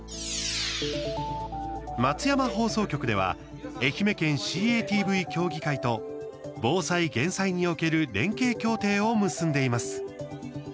松山放送局では愛媛県ＣＡＴＶ協議会と防災・減災における連携協定を結んでいます。